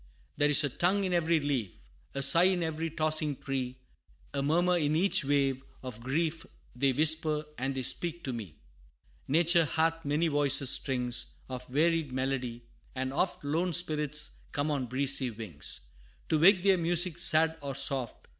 There is a tongue in every leaf, A sigh in every tossing tree A murmur in each wave; of grief They whisper, and they speak to me. Nature hath many voices strings Of varied melody: and oft Lone spirits come on breezy wings, To wake their music sad or soft.